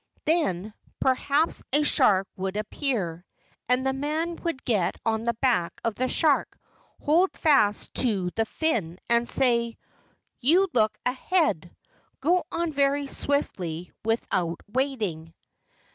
Then perhaps a shark would appear, and the man would get on the back of the shark, hold fast to the fin, and say: 'You look ahead. Go on very swiftly with¬ out waiting.